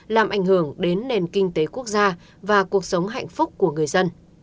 làm ảnh hưởng đến nền kinh tế quốc gia và cuộc sống hạnh phúc của người dân